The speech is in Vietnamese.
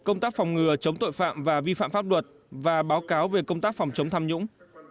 ngừa chống tội phạm và vi phạm pháp luật và báo cáo về công tác phòng chống tham nhũng